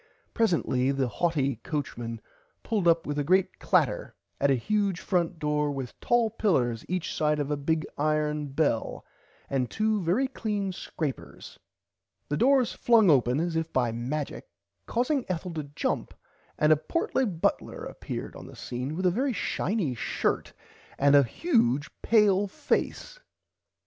Presently the haughty coachman pulled up with a great clatter at a huge front door with tall pillers each side a big iron bell and two very clean scrapers. The doors flung open as if by majic causing [Pg 32] Ethel to jump and a portly butler appeared on the scene with a very shiny shirt front and a huge pale face.